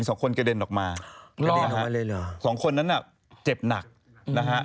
สองคนนั้นน่ะเจ็บหนักนะฮะ